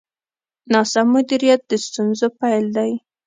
ناسم مدیریت د ستونزو پیل دی.